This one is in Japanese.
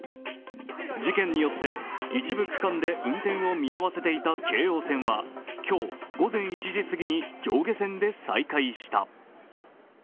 事件によって一部区間で運転を見合わせていた京王線は今日、午前１時すぎに上下線で再開した。